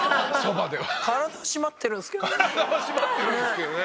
体は締まってるんですけどね！